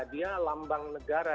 dia lambang negara